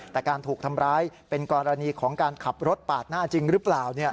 แต่การถูกทำร้ายเป็นกรณีของการขับรถปาดหน้าจริงหรือเปล่า